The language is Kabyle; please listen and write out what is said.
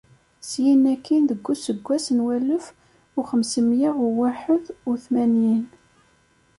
Syin akkin, deg useggas n walef u xemsemya u waḥed u tmanyin.